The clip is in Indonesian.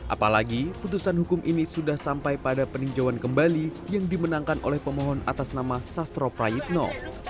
apalagi putusan hukum ini sudah sampai pada peninjauan kembali yang dimenangkan oleh pemohon atas nama sastro prayitno